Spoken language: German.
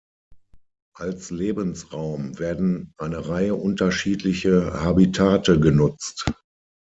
Als Lebensraum werden eine Reihe unterschiedliche Habitate genutzt.